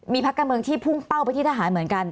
มีพักการเมืองที่พุ่งเป้าไปที่ทหารเหมือนกัน